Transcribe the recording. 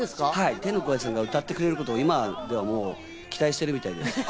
天の声さんが歌ってくれることを今では期待してるみたいです。